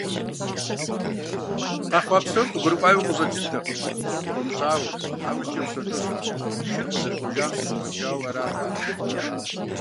Къэхъуа псор къыгурыӏуауи къыщӏэкӏынтэкъым хуэмыщӏауэ, тхьэмыщкӏэу псэу лӏыжьым, шыр къызэрыкӏуэжам щыгуфӏыкӏауэ арат ар.